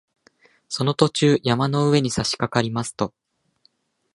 その途中、山の上にさしかかりますと